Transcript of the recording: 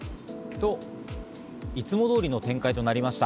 と、いつも通りの展開となりました。